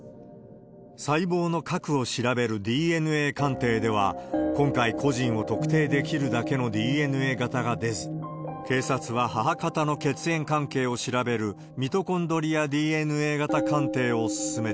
細胞の核を調べるＤＮＡ鑑定では、今回、個人を特定できるだけのＤＮＡ型が出ず、警察は母方の血縁関係を調べるミトコンドリアＤＮＡ型鑑定を進め